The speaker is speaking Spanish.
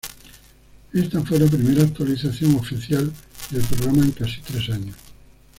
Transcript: Ésta fue la primera actualización oficial del programa en casi tres años.